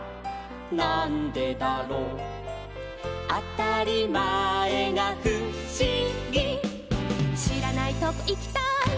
なんでだろう」「あたりまえがふしぎ」「しらないとこいきたい」